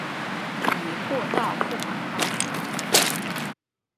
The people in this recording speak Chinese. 以货到付款方式